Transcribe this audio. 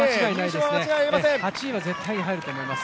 ８位は絶対に入ると思います。